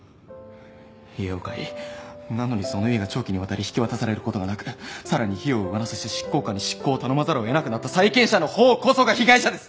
家を買いなのにその家が長期にわたり引き渡される事がなくさらに費用を上乗せして執行官に執行を頼まざるを得なくなった債権者のほうこそが被害者です。